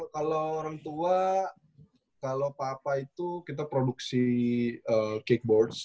kalau orang tua kalau papa itu kita produksi cakeboards